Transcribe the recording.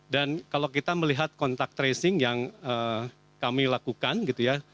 dan kalau kita melihat kontak tracing yang kami lakukan gitu ya